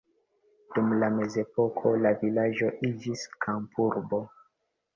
Dum la mezepoko la vilaĝo iĝis kampurbo.